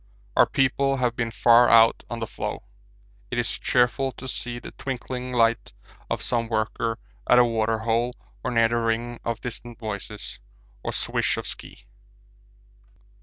Our people have been far out on the floe. It is cheerful to see the twinkling light of some worker at a water hole or hear the ring of distant voices or swish of ski.